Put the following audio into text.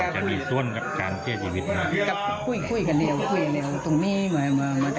จะมีส่วนการเชื่อชีวิต